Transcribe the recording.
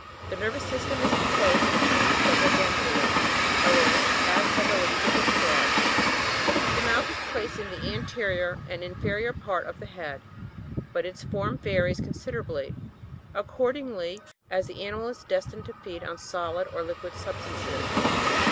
The nervous system is composed of a chain of double ganglia, arranged as has already been described (fig. 2, page 11). 32. The mouth is placed in the anterior and inferior part of the head ; but its form varies con siderably, accordingly as the ani mal is destined to feed on solid or liquid substances.